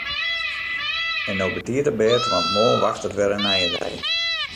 En no betiid op bêd want moarn wachtet wer in nije dei.